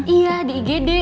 iya di igd